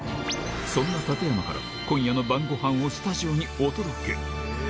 そんな館山から、今夜の晩ごはんをスタジオにお届け。